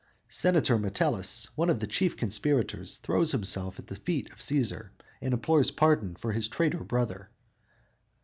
"_ Senator Metellus, one of the chief conspirators, throws himself at the feet of Cæsar and implores pardon for his traitor brother.